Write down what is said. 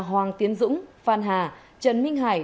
hoàng tiến dũng phan hà trần minh hải